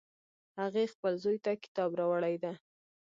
هغې خپل زوی ته کتاب راوړی ده